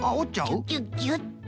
ギュギュギュッと。